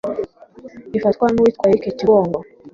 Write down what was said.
ifatwa n’uwitwa Eric Kigongo